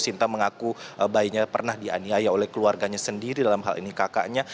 sinta mengaku bayinya pernah dianiaya oleh keluarganya sendiri dalam hal ini kakaknya